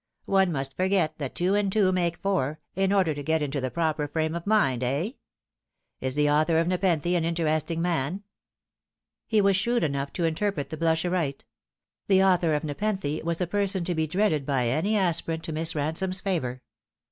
One must forget that two and two make four, in order to get into the proper frame of mind, eh ? Is the author of Nepenthe an interesting man ?" He was shrewd enough to interpret the blush aright. The author of Nepenthe was a person to be dreaded by any aspirant to Miss Ransome's favour.